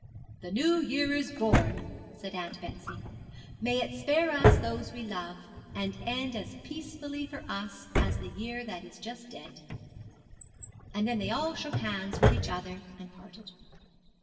'The New Year is born,' said Aunt Betsy; 'may it spare us those we love, and end as peacefully for us as the year that is just dead.' And then they all shook hands with each other and parted.